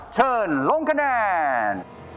เชิญลงคะแนน